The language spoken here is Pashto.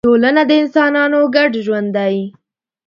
ټولنه د انسانانو ګډ ژوند دی.